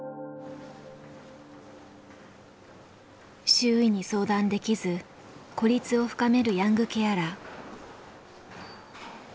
周囲に相談できず孤立を深めるヤングケアラー。